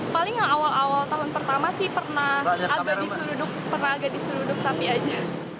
paling awal awal tahun pertama sih pernah agak disuruduk sapi aja